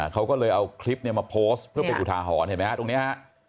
เขาก็เลยเอาคลิปมาโพสเพื่อไปอุทาหอนเห็นไหมครับตรงนี้